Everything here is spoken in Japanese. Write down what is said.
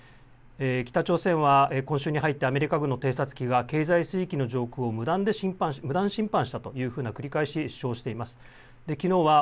北朝鮮は今週に入ってアメリカ軍の偵察機が経済水域の上空を無断侵犯したと繰り返し主張しています。